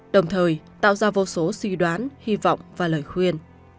đồng thời tạo ra vô số suy đoán hy vọng và lời khuyên